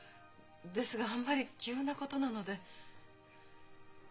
ですがあんまり急なことなので。